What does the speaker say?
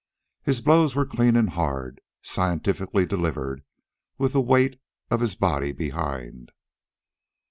His blows were clean and hard, scientifically delivered, with the weight of his body behind.